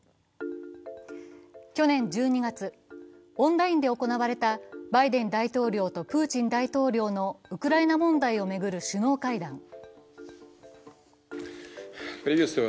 去年１２月、オンラインで行われたバイデン大統領とプーチン大統領のウクライナ問題を巡る首脳会談。